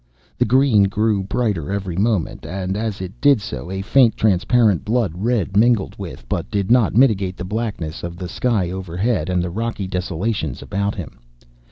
The green grew brighter every moment, and as it did so a faint, transparent blood red mingled with, but did not mitigate, the blackness of the sky overhead and the rocky desolations about him.